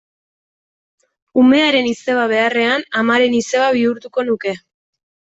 Umearen izeba beharrean, amaren izeba bihurtuko nuke.